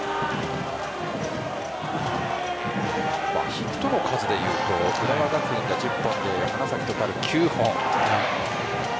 ヒットの数でいうと浦和学院が１０本で花咲徳栄が９本。